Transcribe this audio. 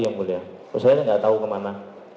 yang mulia terus saya gak tau kemana